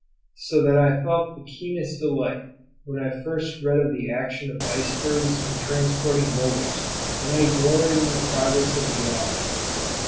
So that I felt the keenest delight when I first read of the action of icebergs in transporting boulders, and I gloried in the progress of Geology.